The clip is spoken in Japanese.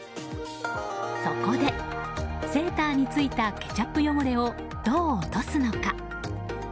そこで、セーターについたケチャップ汚れをどう落とすのか。